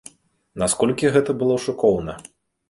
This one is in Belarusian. Настолькі гэта было шыкоўна!